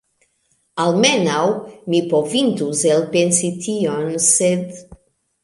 Almenaŭ mi povintus elpensi tion, sed